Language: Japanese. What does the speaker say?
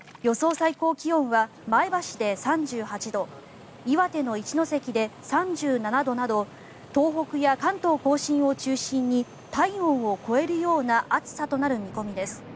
最高気温は前橋で３８度岩手の一関で３７度など東北や関東・甲信を中心に体温を超えるような暑さとなる見込みです。